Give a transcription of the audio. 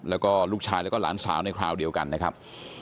แล้วก็ลูกชายแล้วก็หลานสาวในคราวเดียวกันนะครับ